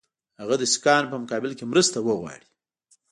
هغه د سیکهانو په مقابل کې مرسته وغواړي.